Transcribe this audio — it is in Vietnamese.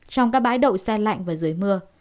trong các bãi đậu xe lạnh và dưới mưa